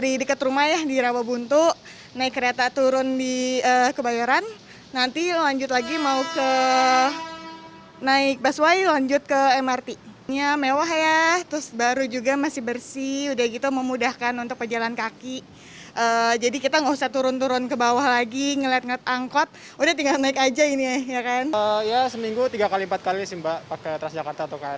itu tiga x empat kali sih mbak pakai transjakarta atau krl ya